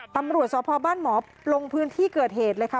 ตำรวจสพบ้านหมอลงพื้นที่เกิดเหตุเลยค่ะ